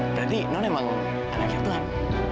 berarti non emang anaknya tuhan